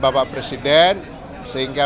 bapak presiden sehingga